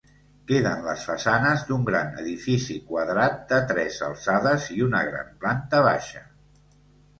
Queden les façanes d'un gran edifici quadrat de tres alçades i una gran planta baixa.